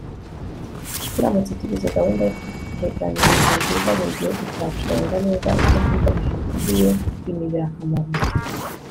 turamutse tugize gahunda yo kwiteganyiriza nziza, buri gihugu cyacunga neza ibyokurya bifitiye imibiri akamaro